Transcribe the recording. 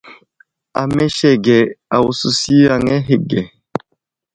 Amesege awusisi yaŋ ahe ge.